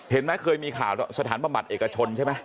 เคยมีข่าวสถานบำบัดเอกชนใช่ไหม